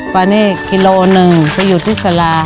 ตอนนี้กิโลหนึ่งไปอยู่ที่สลา